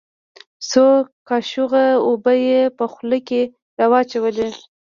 څو کاشوغه اوبه يې په خوله کښې راواچولې.